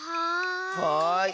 はい。